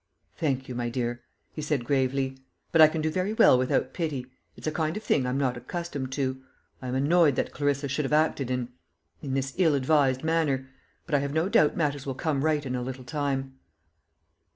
"Thank you, my dear," he said gravely; "but I can do very well without pity. It's a kind of thing I'm not accustomed to. I am annoyed that Clarissa should have acted in in this ill advised manner; but I have no doubt matters will come right in a little time."